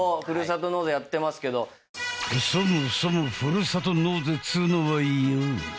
そもそもふるさと納税っつうのはよ